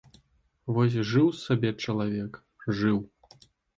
Вось жыў сабе чалавек, жыў.